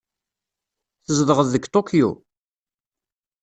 Tzedɣeḍ deg Tokyo?